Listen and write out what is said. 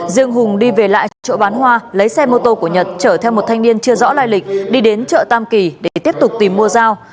riêng hùng đi về lại chỗ bán hoa lấy xe mô tô của nhật chở theo một thanh niên chưa rõ lai lịch đi đến chợ tam kỳ để tiếp tục tìm mua giao